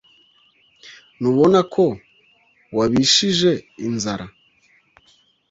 ntubona ko wabishije inzara?